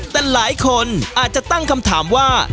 แต่หลายคนอาจจะตั้งคำถามว่า